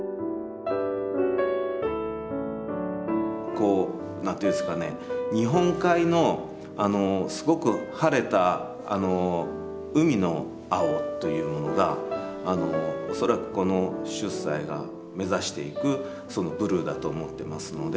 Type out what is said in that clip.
こう何て言うんですかね日本海のすごく晴れた海の青というものがおそらくこの出西が目指していくブルーだと思ってますので。